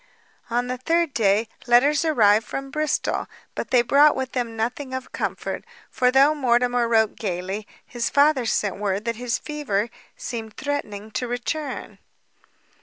On the third day, letters arrived from Bristol; but they brought with them nothing of comfort, for though Mortimer wrote gaily, his father sent word that his fever seemed threatening to return.